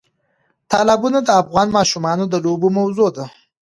تالابونه د افغان ماشومانو د لوبو موضوع ده.